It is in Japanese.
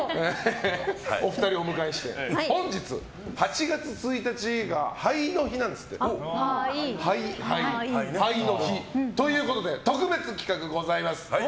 お二人をお迎えして本日、８月１日が肺の日なんですって。ということで、特別企画です。